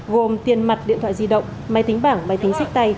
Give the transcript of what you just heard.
gồm tiền mặt điện thoại di động máy tính bảng máy tính sách tay